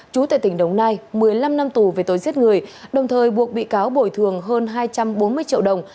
chú tại tỉnh đồng nai một mươi năm năm tù về tội giết người đồng thời buộc bị cáo bồi thường hơn hai trăm bốn mươi triệu đồng